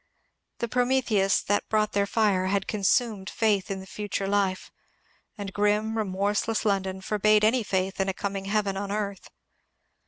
The Prometheus that brought their fire had consumed faith in the future life, and grim, remorseless London forbade any faith in a coming heaven on earth.